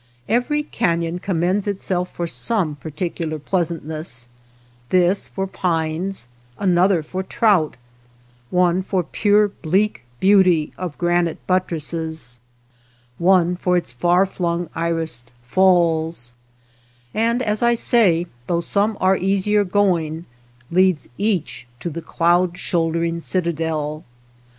Every cafion commends itself for some particular pleasantness ; this for pines, an other for trout, one for pure bleak beauty of granite buttresses, one for its far flung irised falls ; and as I say, though some are easier going, leads each to the cloud shoul dering citadel.